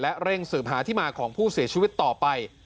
เร่งสืบหาที่มาของผู้เสียชีวิตต่อไป